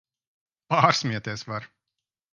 Pārsmieties var!